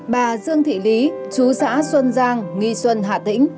bà dương thị lý chú xã xuân giang nghi xuân hà tĩnh